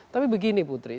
tapi begini putri